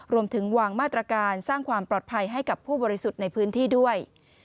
รวมถึงวางมาตรการสร้างความปลอดภัยให้กับผู้บริสุทธิ์ในพื้นที่ด้วย